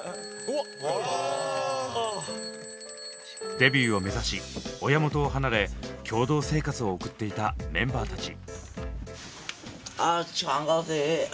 デビューを目指し親元を離れ共同生活を送っていたメンバーたち。